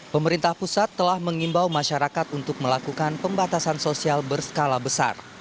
pemerintah pusat telah mengimbau masyarakat untuk melakukan pembatasan sosial berskala besar